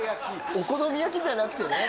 お好み焼きじゃなくてね。